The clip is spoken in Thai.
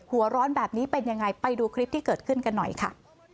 หัวร้อนแบบนี้เป็นยังไงไปดูคลิปที่เกิดขึ้นกันหน่อยค่ะ